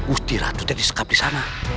ustiratu teh disekap disana